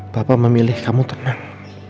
papa memilih kamu tenang